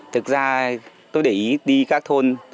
thực ra tôi để ý đi các thôn